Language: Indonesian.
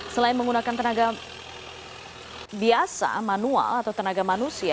selain menggunakan tenaga biasa manual atau tenaga manusia